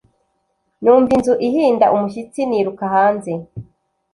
Numva inzu ihinda umushyitsi niruka hanze